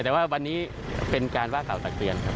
แต่ว่าวันนี้เป็นการว่าก่อตักเตือน